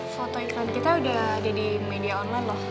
foto iklan kita udah ada di media online loh